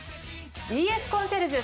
「ＢＳコンシェルジュ」。